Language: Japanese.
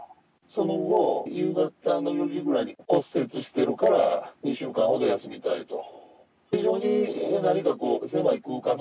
その後、夕方４時ぐらいに骨折しているから２週間ほど休みたいと。